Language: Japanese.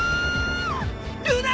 ルナ！